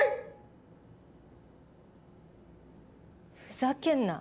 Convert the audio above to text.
ふざけんな！